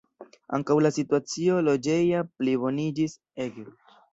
Ankaŭ la situacio loĝeja pliboniĝis ege.